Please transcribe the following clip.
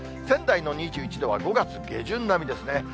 仙台の２１度は５月下旬並みですね。